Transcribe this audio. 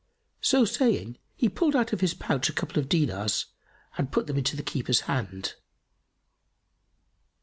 So saying, he pulled out of his pouch a couple of dinars and put them into the keeper's hand.